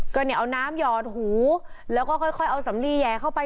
ก็เนี่ยเอาน้ำหยอดหูแล้วก็ค่อยเอาสำลีแห่เข้าไป